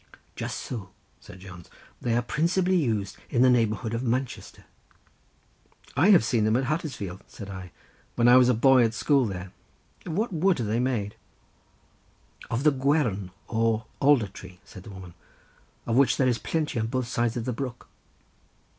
"Just so," said Jones—"they are principally used in the neighbourhood of Manchester." "I have seen them at Huddersfield," said I, "when I was a boy at school there; of what wood are they made?" "Of the gwern, or alder tree," said the woman, "of which there is plenty on both sides of the brook."